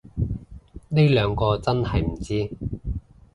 呢兩個真係唔知